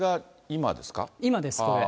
今です、これ。